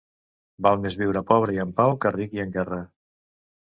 Val més viure pobre i en pau que ric i en guerra.